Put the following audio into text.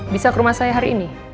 bisa ke rumah saya hari ini